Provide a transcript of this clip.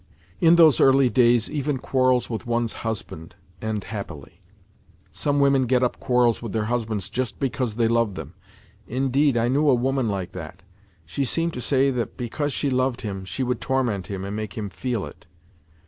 In those early days even quarrels with one's husband end happily. Some women get up quarrels with their husbands just because they love them. Indeed, I knew a woman like that : she seemed to say that because she loved him, she would torment him and make him feel it.